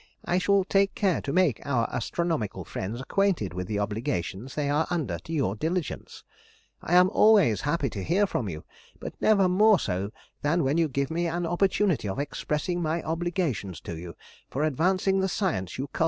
I shall take care to make our astronomical friends acquainted with the obligations they are under to your diligence. I am always happy to hear from you, but never more so than when you give me an opportunity of expressing my obligations to you for advancing the science you cultivate with so much success.